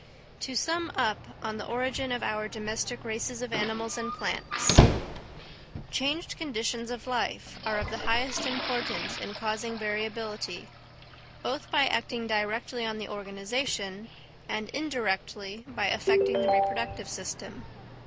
To sum up on the origin of our domestic races of animals and plants. Changed conditions of life are of the highest importance in causing variability, both by acting directly on the organisation, and indirectly by affecting the reproductive system.